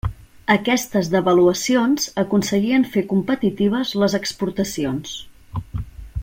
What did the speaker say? Aquestes devaluacions aconseguien fer competitives les exportacions.